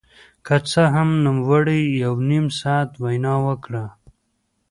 که څه هم نوموړي يو نيم ساعت وينا وکړه.